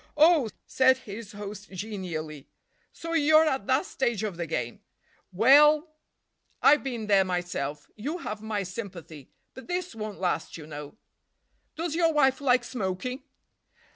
"Oh!" said his host genially, "so you're at that stage of the game. Well, I've been there myself. You have my sympathy. But this won't last, you know." "Does your wife like smoking?"